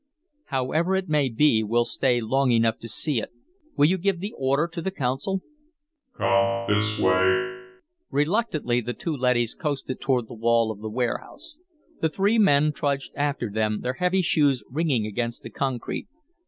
"However it may be, we'll stay long enough to see it. Will you give the order to the Council?" "Come this way." Reluctantly, the two leadys coasted toward the wall of the warehouse. The three men trudged after them, their heavy shoes ringing against the concrete.